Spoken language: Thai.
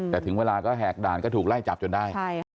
แต่ถึงเวลาก็แหกด่านก็ถูกไล่จับจนได้